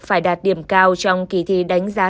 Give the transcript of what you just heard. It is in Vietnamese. phải đạt điểm cao trong kỳ thi đánh giá